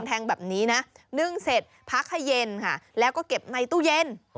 แทงแบบนี้นะนึ่งเสร็จพักให้เย็นค่ะแล้วก็เก็บในตู้เย็น